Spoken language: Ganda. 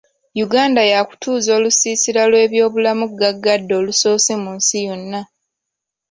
Uganda yaakutuuza olusiisira lw’ebyobulamu gaggadde olusoose mu nsi yonna.